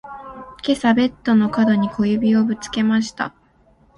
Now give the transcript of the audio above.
今朝ベッドの角に小指をぶつけました。